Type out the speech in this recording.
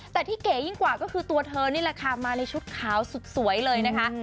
แต่ที่เก๋ยิ่งกว่าก็คือตัวเธอนี่แหละค่ะมาในชุดขาวสุดสวยเลยนะคะ